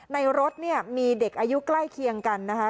รถเนี่ยมีเด็กอายุใกล้เคียงกันนะคะ